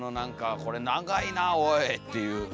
「これ長いなおい」っていう。